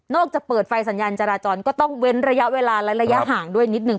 จะเปิดไฟสัญญาณจราจรก็ต้องเว้นระยะเวลาและระยะห่างด้วยนิดนึ